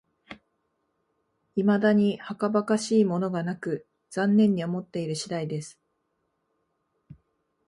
いまだにはかばかしいものがなく、残念に思っている次第です